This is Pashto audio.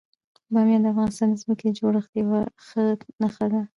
بامیان د افغانستان د ځمکې د جوړښت یوه ښه نښه ده.